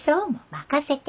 任せて。